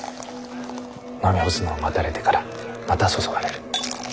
飲み干すのを待たれてからまた注がれる。